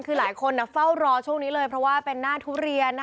คือหลายคนเฝ้ารอช่วงนี้เลยเพราะว่าเป็นหน้าทุเรียน